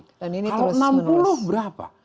kalau enam puluh berapa